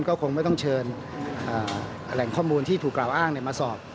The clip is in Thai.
ก็คงไม่ต้องเชิญแหล่งข้อมูลที่ถูกกล่าวอ้างมาสอบ